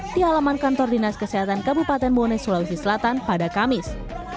di halaman kantor dinas kesehatan kabupaten bone sulawesi selatan pada kamis